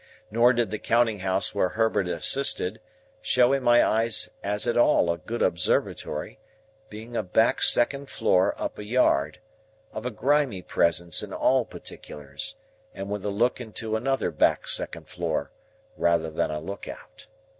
Nor did the counting house where Herbert assisted, show in my eyes as at all a good Observatory; being a back second floor up a yard, of a grimy presence in all particulars, and with a look into another back second floor, rather than a look out.